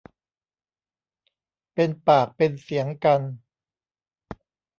เป็นปากเป็นเสียงกัน